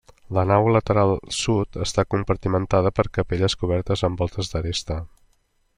La nau lateral sud està compartimentada per capelles cobertes amb voltes d'aresta.